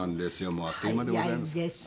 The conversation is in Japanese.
もうあっという間でございます。